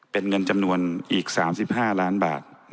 เป็นเงินจำนวนอีก๓๕ล้านบาท